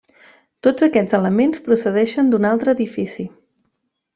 Tots aquests elements procedeixen d'un altre edifici.